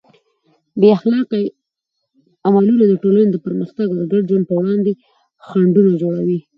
بې اخلاقه عملونه د ټولنې د پرمختګ او ګډ ژوند پر وړاندې خنډونه جوړوي.